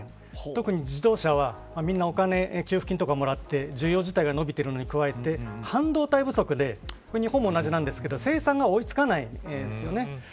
特に自動車はみんな、お金給付金とかもらって需要自体が伸びているのに加えて半導体不足で日本も同じなんですけれど生産が追いつかないんです。